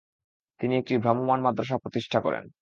তিনি একটি ভ্রাম্যমাণ মাদ্রাসা প্রতিষ্ঠা করেন।